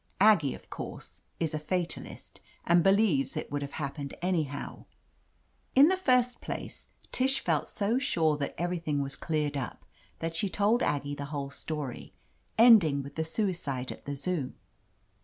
Aggie, of course, is a fatalist, and believes it would have happened anyhow. In the first place, Tish felt so sure that everything was cleared up that she told Aggie the whole story, ending with the suicide at the Zoo.